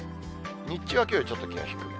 日中はきょうよりちょっと気温低め。